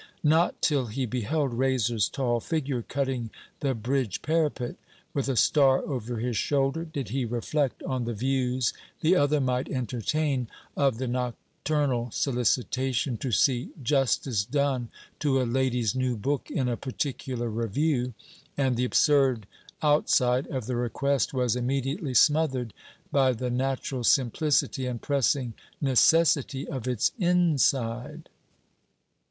Not till he beheld Raiser's tall figure cutting the bridge parapet, with a star over his shoulder, did he reflect on the views the other might entertain of the nocturnal solicitation to see 'justice done' to a lady's new book in a particular Review, and the absurd outside of the request was immediately smothered by the natural simplicity and pressing necessity of its inside.